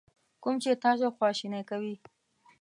کوم چې تاسو خواشینی کوي.